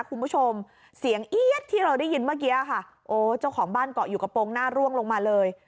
คุณผู้ชมเสียงเอี๊ยดที่เราได้ยินเมื่อกี้ค่ะโอ้เจ้าของบ้านเกาะอยู่กระโปรงหน้าร่วงลงมาเลย